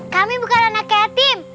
kami bukan anak yatim